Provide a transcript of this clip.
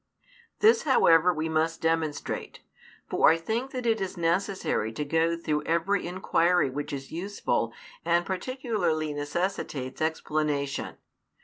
This however we must demonstrate; for I think it is necessary to go through every inquiry which is useful and particularly necessitates explanation.